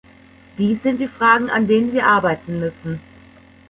Dies sind die Fragen, an denen wir arbeiten müssen.